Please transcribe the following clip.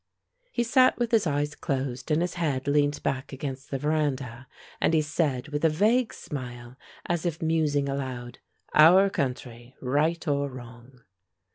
He sat with his eyes closed and his head leant back against the veranda, and he said with a vague smile, as if musing aloud, "Our country right or wrong."